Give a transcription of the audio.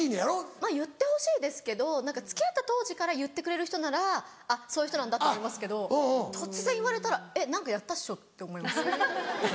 まぁ言ってほしいですけど付き合った当時から言ってくれる人ならそういう人なんだと思いますけど突然言われたらえっ何かやったっしょ？って思いますね。